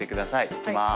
いきます。